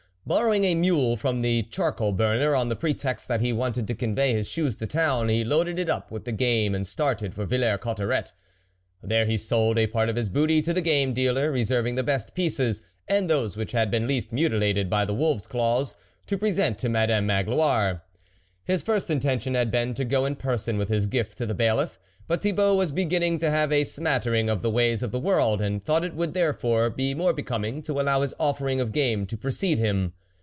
Bor rowing a mule from a charcoal burner, on the pretext that he wanted to convey his shoes to town, he loaded it up with the game and started for Villers Cotterets. There he sold a part of this booty to the gamedealer, reserving the best pieces and those which had been least mutilated by the wolves' claws, to present to Madame Magloire. His first intention had been to go in person with his gift to the Bailiff; but Thibault was beginning to have a smat tering of the ways of the world, and thought it would, therefore, be more be coming to allow his offering of game to precede him.